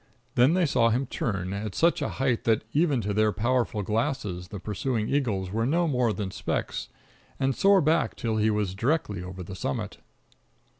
Then they saw him turn at such a height that, even to their powerful glasses, the pursuing eagles were no more than specks and soar back till he was directly over the summit.